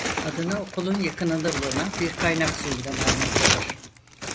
Adını okulun yakınında bulunan bir kaynak suyundan almaktadır.